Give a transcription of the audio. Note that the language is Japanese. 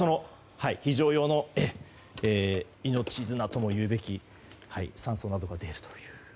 非常用の命綱ともいうべき酸素などが出るという。